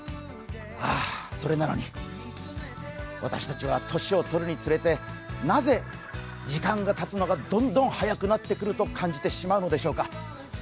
それなのに、私たちは年をとるにつれてなぜ、時間がたつのがどんどん早くなってくると感じてしまうのでしょうか？